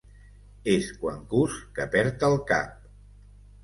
És quan cus que perd el cap.